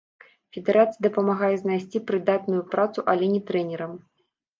Федэрацыя дапамагае знайсці прыдатную працу, але не трэнерам.